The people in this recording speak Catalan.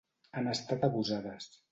Han estat abusades.